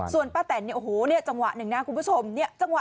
ส่วนป้าแต่นเนี่ยจังหวะนึงนะครับคุณผู้ชม